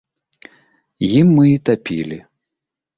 Ім мы і тапілі.